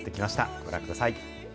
ご覧ください。